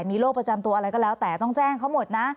มีโรคประจำตัวอะไรก็แล้วแต่ต้องแจ้งเขาหมดนะ